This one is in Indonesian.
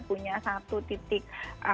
punya satu titik